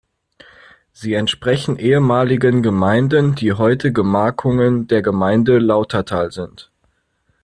Sie entsprechen ehemaligen Gemeinden, die heute Gemarkungen der Gemeinde Lautertal sind.